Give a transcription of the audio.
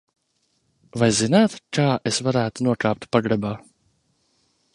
Vai zināt, kā es varētu nokāpt pagrabā?